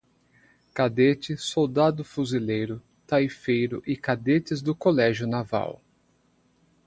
Cadete, Soldado Fuzileiro, Taifeiro e cadetes do Colégio Naval